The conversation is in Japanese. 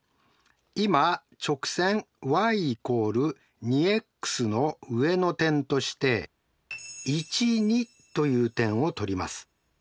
今直線ｙ＝２ｘの上の点としてという点をとります。